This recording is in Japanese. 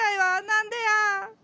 何でや？